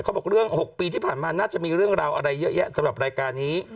บอกเรื่อง๖ปีที่ผ่านมาน่าจะมีเรื่องราวอะไรเยอะแยะสำหรับรายการนี้